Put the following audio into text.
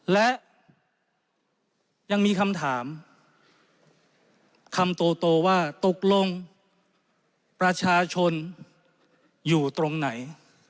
และยังมีคำถามคำโตว่าตกลงประชาชนอยู่ตรงไหน